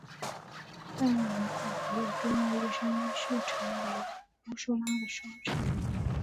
但如果没有便要一生一世成为乌苏拉的收藏。